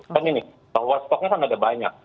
kan gini bahwa stoknya kan ada banyak